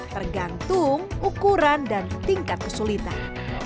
tergantung ukuran dan tingkat kesulitan